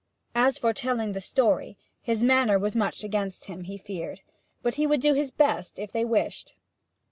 As for telling the story, his manner was much against him, he feared; but he would do his best, if they wished.